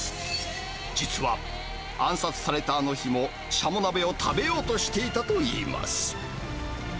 実は、暗殺されたあの日も、シャモ鍋を食べようとしていたといいます。